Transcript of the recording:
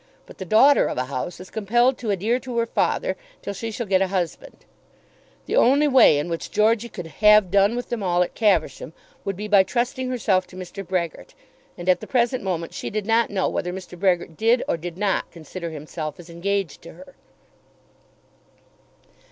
But the daughter of a house is compelled to adhere to her father till she shall get a husband. The only way in which Georgey could "have done" with them all at Caversham would be by trusting herself to Mr. Brehgert, and at the present moment she did not know whether Mr. Brehgert did or did not consider himself as engaged to her.